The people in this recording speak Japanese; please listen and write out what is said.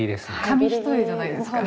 紙一重じゃないですか？